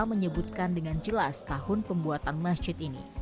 menyebutkan dengan jelas tahun pembuatan masjid ini